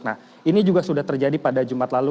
nah ini juga sudah terjadi pada jumat lalu